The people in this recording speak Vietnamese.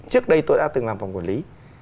trước đây tôi đã từng làm phòng quản lý